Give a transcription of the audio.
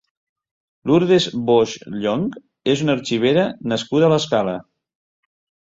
Lurdes Boix Llonch és una arxivera nascuda a l'Escala.